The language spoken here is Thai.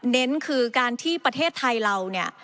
เน้นคือการที่ประเทศไทยเราเนี่ย